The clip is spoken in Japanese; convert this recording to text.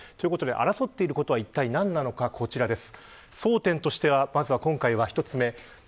争っていることはいったい何なのか、こちらです。